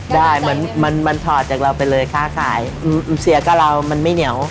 ได้เหมือนมันถอดจากเราไปเลยค้าขายเสียกับเรามันไม่เหนียว